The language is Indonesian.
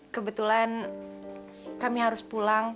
kebetulan kami harus pulang